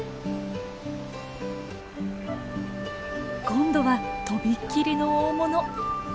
今度はとびっきりの大物。